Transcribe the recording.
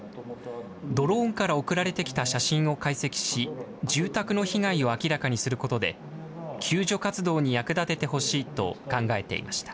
ドローンから送られてきた写真を解析し、住宅の被害を明らかにすることで、救助活動に役立ててほしいと考えていました。